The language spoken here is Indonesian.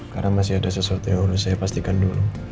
karena masih ada sesuatu yang harus saya pastikan dulu